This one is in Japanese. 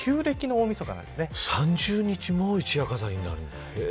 ３０日も一夜飾りになるんだ。